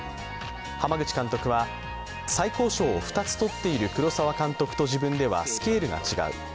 濱口監督は、最高賞を２つとっている黒澤監督と自分ではスケールが違う。